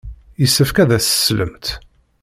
Yessefk ad as-teslemt.